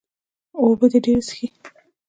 اوبۀ دې ډېرې څښي